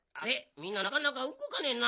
みんななかなかうごかねえな。